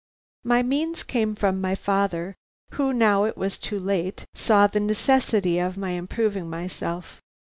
"My means came from my father, who, now it was too late, saw the necessity of my improving myself.